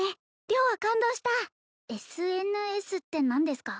良は感動したＳＮＳって何ですか？